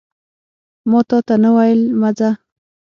ماتاته نه ویل مه ځه